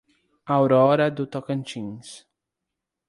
Aurora do Tocantins